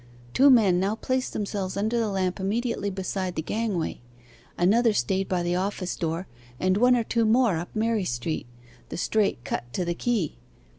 Two men now placed themselves under the lamp immediately beside the gangway. Another stayed by the office door, and one or two more up Mary Street the straight cut to the quay.